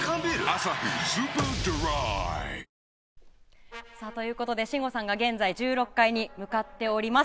「アサヒスーパードライ」ということで、信五さんが現在１６階に向かっております。